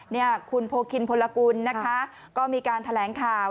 เนี่ยคุณโพคินพลกุลนะคะก็มีการแถลงข่าว